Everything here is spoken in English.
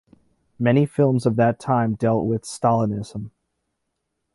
Many films of that time dealt with Stalinism.